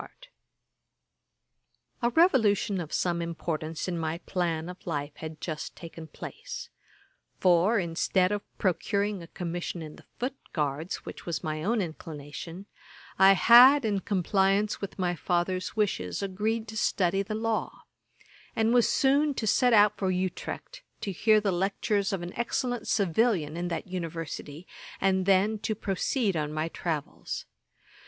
Ætat 54.] A revolution of some importance in my plan of life had just taken place; for instead of procuring a commission in the footguards, which was my own inclination, I had, in compliance with my father's wishes, agreed to study the law; and was soon to set out for Utrecht, to hear the lectures of an excellent Civilian in that University, and then to proceed on my travels.